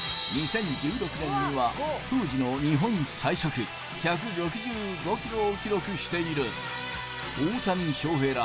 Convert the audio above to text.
２０１６年には当時の日本最速１６５キロを記録している大谷翔平ら